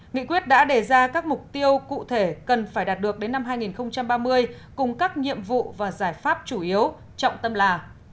nghị quyết đã đề ra các mục tiêu cụ thể cần phải đạt được đến năm hai nghìn ba mươi cùng các nhiệm vụ và giải pháp chủ yếu trọng tâm là